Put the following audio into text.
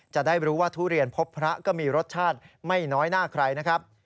จะได้รู้ว่าทุเรียนพบพระก็มีรสชาติไม่น้อยหน้าใครนะครับ